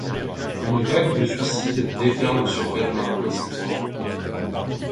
Une vague de suicides déferle sur Berlin-Ouest.